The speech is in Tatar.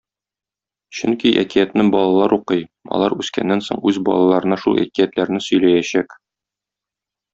Чөнки әкиятне балалар укый, алар үскәннән соң үз балаларына шул әкиятләрне сөйләячәк.